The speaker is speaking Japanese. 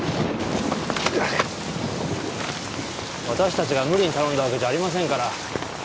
私達が無理に頼んだわけじゃありませんから